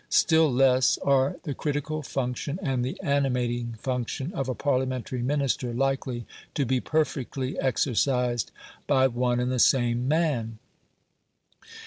Still less are the critical function and the animating function of a Parliamentary Minister likely to be perfectly exercised by one and the same man.